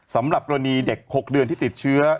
สำหรับกรณีเด็ก๖เดือนที่ติดเชื้อ